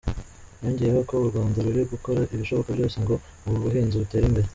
Yongeyeho ko u Rwanda ruri gukora ibishoboka byose ngo ubu buhinzi butere imbere.